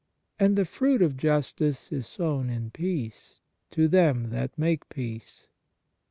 And the fruit of justice is sown in peace, to them that make peace."